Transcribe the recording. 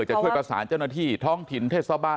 ท่องถิลเทศบาหรือสามะสุขหรืออะไรต่าง